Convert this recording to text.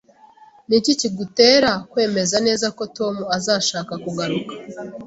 Ni iki kigutera kwemeza neza ko Tom azashaka kugaruka?